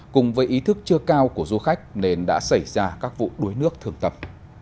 cùng với ý thức chưa cao của du khách nên đã xảy ra các vụ đuối nước thường tập